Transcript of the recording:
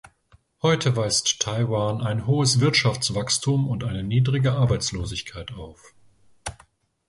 Heute weist Taiwan ein hohes Wirtschaftswachstum und eine niedrige Arbeitslosigkeit auf.